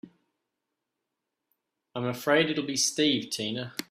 I'm afraid it'll be Steve Tina.